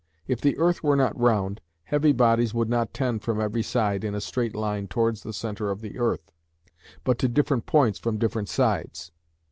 If the earth were not round, heavy bodies would not tend from every side in a straight line towards the centre of the earth, but to different points from different sides.